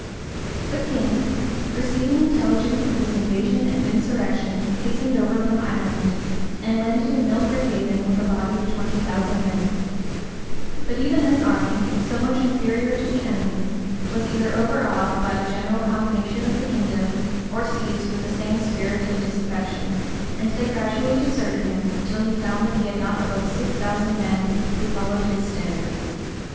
The king, receiving intelligence of this invasion and insurrection, hastened over from Ireland, and landed in Milford Haven with a body of twenty thousand men: but even this army, so much inferior to the enemy, was either overawed oy the general combination of the kingdom, or seized with the same spirit of disaffection; and they gradually deserted him, till he found that he had not above six thousand men who followed his standard.